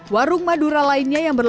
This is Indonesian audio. warung madura lainnya yang berbeda